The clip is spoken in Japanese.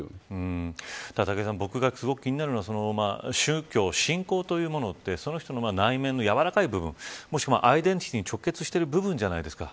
僕がすごく気になるのは宗教、信仰というものってその人の内面のやわらかい部分もしくはアイデンティティーに直結してる部分じゃないですか。